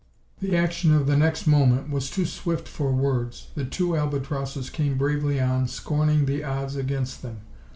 The action of the next moment was too swift for words. The two Albatrosses came bravely on, scorning the odds against them.